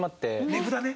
値札ね。